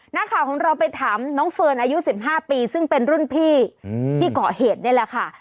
นักข่าวของเราไปถามน้องเฟิร์นอายุ๑๕ปีซึ่งเป็นรุ่นพี่ที่เกาะเหตุนี่แหละค่ะ